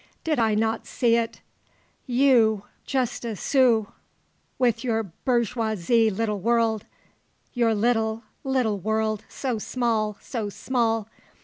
Did I not see it! You! justes cieux! with your bourgeois little world; your little little world so small so small!